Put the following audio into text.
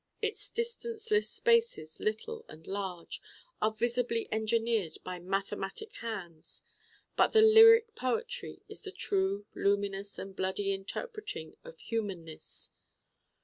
Its distanceless spaces, little and large, are visibly engineered by mathematic hands. But the lyric poetry is the true luminous and bloody interpreting of humanness.